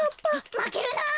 まけるな！